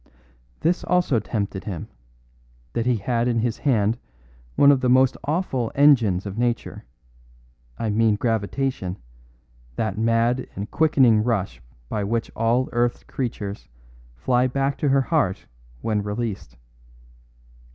"This also tempted him, that he had in his hand one of the most awful engines of nature; I mean gravitation, that mad and quickening rush by which all earth's creatures fly back to her heart when released.